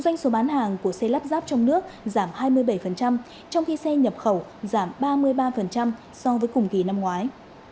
doanh số bán hàng của xe lắp ráp trong nước giảm hai mươi bảy trong khi xe nhập khẩu giảm ba mươi ba so với cùng kỳ năm ngoái